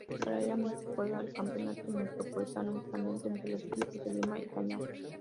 Paralelamente se jugaba el Campeonato Metropolitano únicamente entre los equipos de Lima y Callao.